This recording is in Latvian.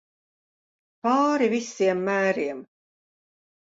Pāri visiem mēriem.